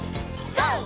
ＧＯ！